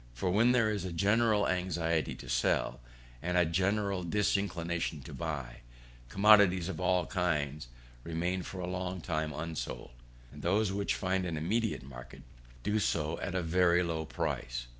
For when there is a general anxiety to sell, and a general disinclination to buy, commodities of all kinds remain for a long time unsold, and those which find an immediate market, do so at a very low price.